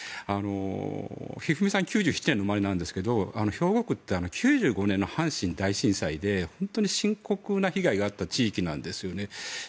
一二三さんは９７年の生まれなんですけど兵庫区って９５年の阪神大震災で深刻な被害があった地域なんです。